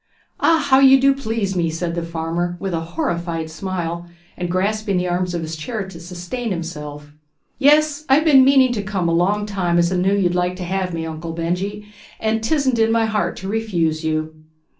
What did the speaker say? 'Ah! How you do please me!' said the farmer, with a horrified smile, and grasping the arms of his chair to sustain himself. 'Yes; I have been meaning to come a long time, as I knew you'd like to have me, Uncle Benjy; and 'tisn't in my heart to refuse you.'